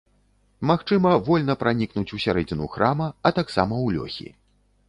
Магчыма вольна пранікнуць усярэдзіну храма, а таксама ў лёхі.